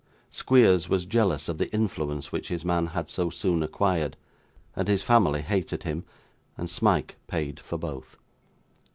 Squeers was jealous of the influence which his man had so soon acquired, and his family hated him, and Smike paid for both.